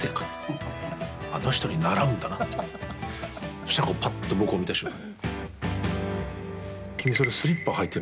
そしたら、ぱっと僕見た瞬間